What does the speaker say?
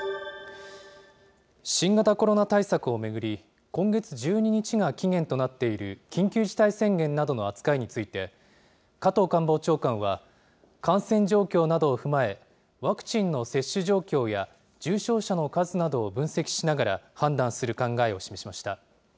新型コロナ対策を巡り、今月１２日が期限となっている緊急事態宣言などの扱いについて、加藤官房長官は、感染状況などを踏まえ、ワクチンの接種状況や重症者の数などを分析しながら判断する考えを示しました。